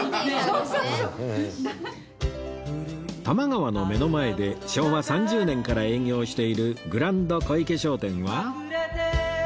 多摩川の目の前で昭和３０年から営業しているグランド小池商店は